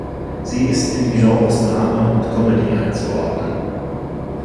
Sie ist in die Genres Drama und Comedy einzuordnen.